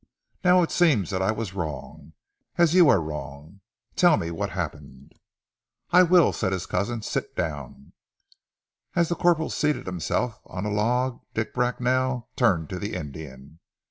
Now it seems that I was wrong, as you are wrong. Tell me what happened?" "I will," said his cousin, "sit down!" As the corporal seated himself on a log, Dick Bracknell turned to the Indian.